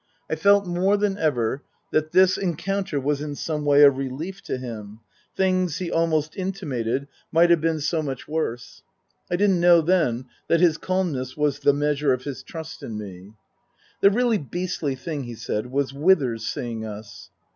I felt more than ever that this encounter was in some way a relief to him ; things, he almost intimated, might have been so much worse. I didn't know then that his calmness was the measure of his trust in me. " The really beastly thing," he said, " was Withers seeing us."